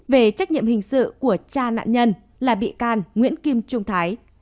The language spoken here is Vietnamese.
về trách nhiệm hình sự của cha nạn nhân là bị can nguyễn kim trung thái